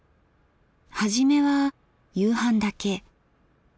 はじめは夕飯だけ。